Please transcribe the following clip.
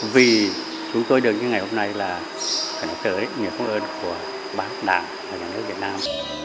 vì chúng tôi được những ngày hôm nay là nhớ tới những phong ơn của bác đảng và nhà nước việt nam